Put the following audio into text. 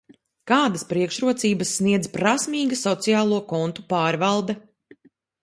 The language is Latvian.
Kādas priekšrocības sniedz prasmīga sociālo kontu pārvalde?